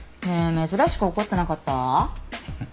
ねえ珍しく怒ってなかった？